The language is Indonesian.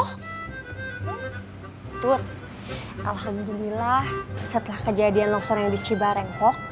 tuntut alhamdulillah setelah kejadian longsor yang dicibarengkok